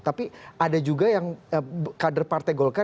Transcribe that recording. tapi ada juga yang kader partai golkar